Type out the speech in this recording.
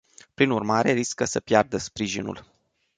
Prin urmare, riscă să piardă sprijinul.